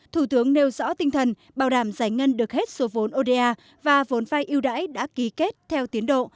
thủ tướng nêu rõ tinh thần bảo đảm giải ngân được hết số vốn oda và vốn vai yêu đãi đã ký kết theo tiến độ